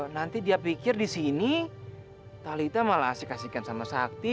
nanti dia pikir disini talitha malah asyik asyikin sama sakti